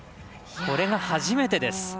これが初めてです。